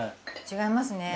違いますね。